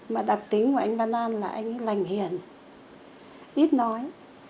mà đặc tính của anh văn an là anh ấy lành hiển ít nói